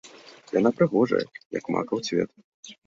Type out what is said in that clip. Яна прыгожая, як макаў цвет.